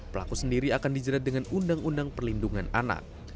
pelaku sendiri akan dijerat dengan undang undang perlindungan anak